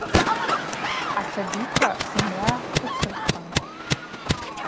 Асабиква зымгӏвагьи хвыцыркӏван.